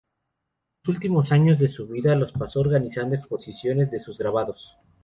Los últimos años de su vida los pasó organizando exposiciones de sus grabados.